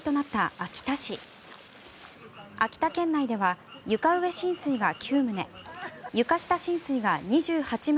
秋田県内では床上浸水が９棟